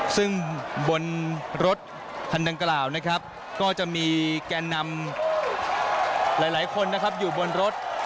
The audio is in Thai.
ซึ่งบนรถคันดังกล่าวนะครับก็จะมีแกนนำหลายคนนะครับอยู่บนรถ